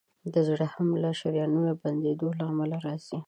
د زړه حمله د شریانونو بندېدو له امله راځي.